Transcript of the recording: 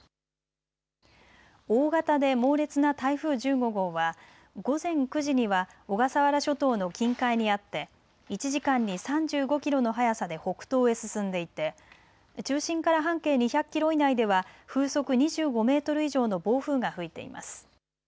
大型で猛烈な台風１５号は午前９時には小笠原諸島の近海にあって１時間に３５キロの速さで北東へ進んでいて中心から半径２００キロ以内では風速２５メートル以上の暴風が吹いています。